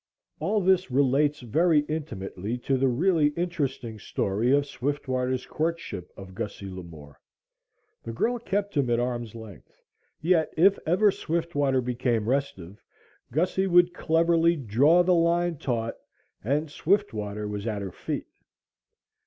All this relates very intimately to the really interesting story of Swiftwater's courtship of Gussie Lamore. The girl kept him at arm's length, yet if ever Swiftwater became restive Gussie would cleverly draw the line taut and Swiftwater was at her feet.